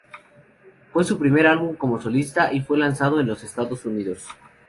Fue su primer álbum como solista y fue lanzado en los Estados Unidos.